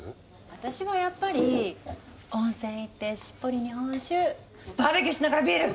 私はやっぱり温泉行ってしっぽり日本酒バーベキューしながらビール！